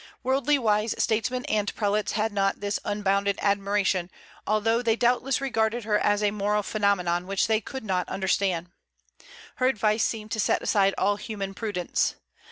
Worldly wise statesmen and prelates had not this unbounded admiration, although they doubtless regarded her as a moral phenomenon which they could not understand. Her advice seemed to set aside all human prudence.